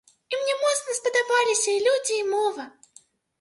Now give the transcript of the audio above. І мне моцна спадабаліся і людзі, і мова.